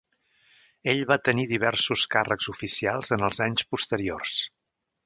Ell va tenir diversos càrrecs oficials en els anys posteriors.